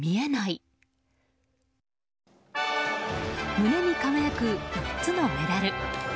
胸に輝く４つのメダル。